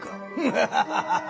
ハハハハハ！